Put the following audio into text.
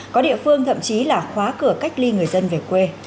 có địa phương thậm chí là khóa cửa cách ly người dân về quê